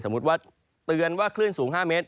ว่าเตือนว่าคลื่นสูง๕เมตร